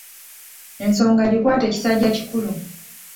Ensonga gikwate kisajja kikuku.